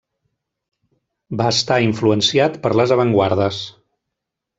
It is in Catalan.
Va estar influenciat per les avantguardes.